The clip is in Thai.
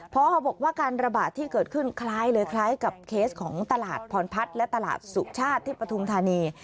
พอบอกว่าการระบาดที่เกิดขึ้นคล้ายเลยคล้ายกับเคสของตลาดพรพัฒน์และตลาดสุชาติที่ปฐุมธานี